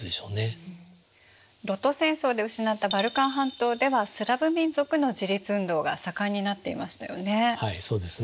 露土戦争で失ったバルカン半島ではスラヴ民族の自立運動が盛んになっていましたよね。